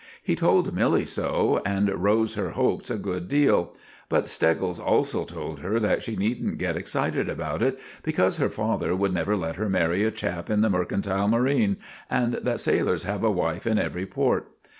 He told Milly so, and rose her hopes a good deal; but Steggles also told her that she needn't get excited about it, because her father would never let her marry a chap in the mercantile marine, and that sailors have a wife in every port.